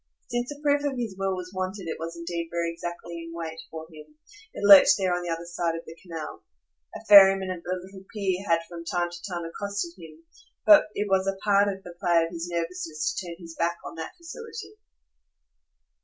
Since a proof of his will was wanted it was indeed very exactly in wait for him it lurked there on the other side of the Canal. A ferryman at the little pier had from time to time accosted him; but it was a part of the play of his nervousness to turn his back on that facility.